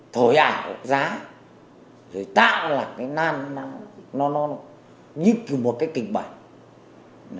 thổi ảo giá rồi tạo là cái nan nó như kiểu một cái kịch bản